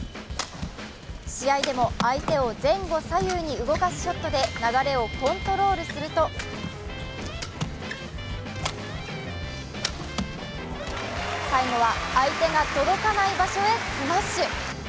試合でも相手を前後左右に動かすショットで流れをコントロールすると最後は相手が届かない場所へスマッシュ。